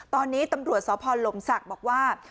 ตอนนี้ตำรวจสพลมศักดิ์บอกว่า